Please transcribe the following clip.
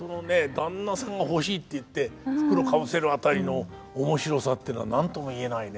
「旦那さんが欲しい」って言って袋かぶせる辺りの面白さっていうのは何とも言えないね。